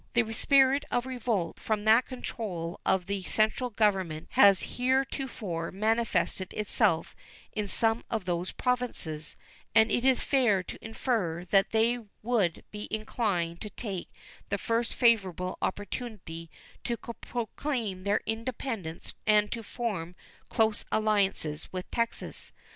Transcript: The spirit of revolt from the control of the central Government has heretofore manifested itself in some of those Provinces, and it is fair to infer that they would be inclined to take the first favorable opportunity to proclaim their independence and to form close alliances with Texas.